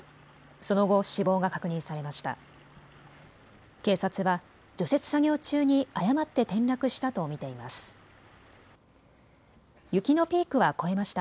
その後、死亡が確認されました。